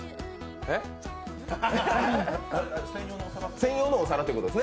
専用のお皿ということですね？